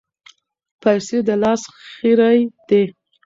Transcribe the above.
پیسې د لاس خیرې دي.